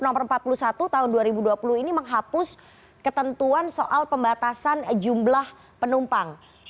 nomor empat puluh satu tahun dua ribu dua puluh ini menghapus ketentuan soal pembatasan jumlah penumpang